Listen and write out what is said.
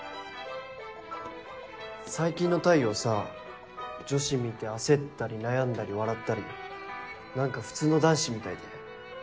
最近の太陽さ女子見て焦ったり悩んだり笑ったり何か普通の男子みたいで。